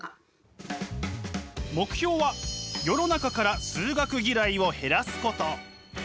目標は世の中から数学嫌いを減らすこと。